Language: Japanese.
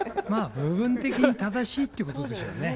部分的に正しいってことでしょうね。